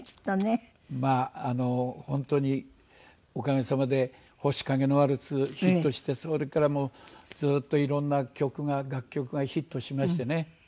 まあ本当におかげさまで『星影のワルツ』がヒットしてそれからもずっといろんな曲が楽曲がヒットしましてね。